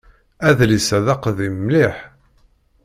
Adlis-a d aqdim mliḥ.